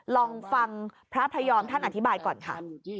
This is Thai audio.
ลองฟังพระพยอมท่านอธิบายก่อนค่ะ